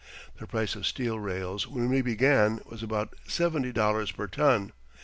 The price of steel rails when we began was about seventy dollars per ton.